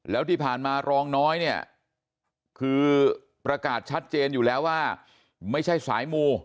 แล้วที่ผ่านมารองน้อยเนี่ยคือประกาศชัดเจนอยู่แล้วว่าไม่ใช่สายมู